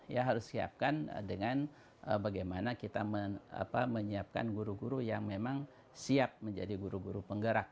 ya harus siapkan dengan bagaimana kita menyiapkan guru guru yang memang siap menjadi guru guru penggerak